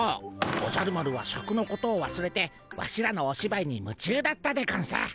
おじゃる丸はシャクのことをわすれてワシらのおしばいにむちゅうだったでゴンス。